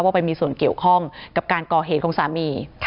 ไปมีส่วนเกี่ยวข้องกับการก่อเหตุของสามี